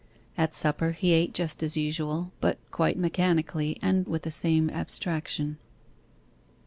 At supper he ate just as usual, but quite mechanically, and with the same abstraction.